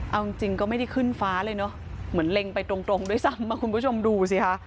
เอาจริงก็ไม่ได้ขึ้นฟ้าเลยเนอะเหมือนเล็งไปตรงด้วยซ้ำมาคุณผู้ชมดูสิคะ